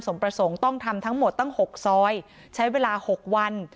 ประสงค์ต้องทำทั้งหมดตั้ง๖ซอยใช้เวลา๖วัน